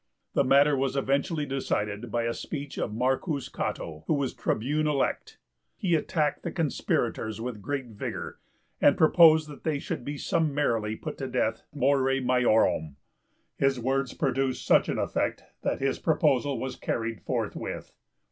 The matter was eventually decided by a speech of M. Cato, who was tribune elect. He attacked the conspirators with great vigour, and proposed that they should be summarily put to death more maiorum. His words produced such an effect that his proposal was carried forthwith.